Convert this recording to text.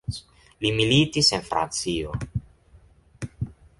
Li militis en Francio.